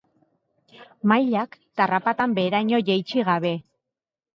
Mailak tarrapatan beheraino jaitsi gabe.